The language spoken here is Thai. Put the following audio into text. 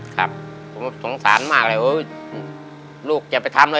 ครับผมสงสารมากเลยลูกอย่าไปทำอะไร